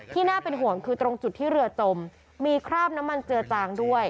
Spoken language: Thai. น่าเป็นห่วงคือตรงจุดที่เรือจมมีคราบน้ำมันเจือจางด้วย